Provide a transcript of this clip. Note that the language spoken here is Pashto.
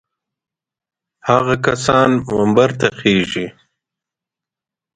هغه کسان منبر ته خېژي.